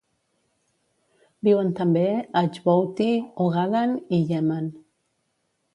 Viuen també a Djibouti, Ogaden i Iemen.